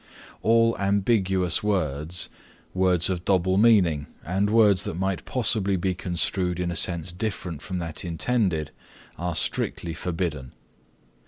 All ambiguous words, words of double meaning and words that might possibly be construed in a sense different from that intended, are strictly forbidden.